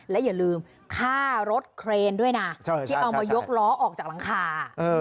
และอย่าลืมค่ารถเครนด้วยนะที่เอามายกล้อออกจากหลังคา